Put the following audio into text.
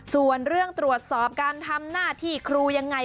ส่วนเรื่องตรวจสอบการทำหน้าที่ครูยังไง